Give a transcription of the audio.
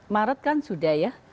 maret kan sudah ya